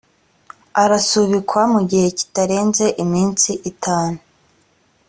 arasubikwa mu gihe kitarenze iminsi itanu